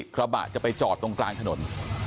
กระบะจะไปจอดตรงกลางถนน